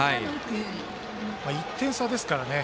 １点差ですからね。